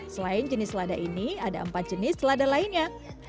selain jenis selada ini ada empat jenis selada lainnya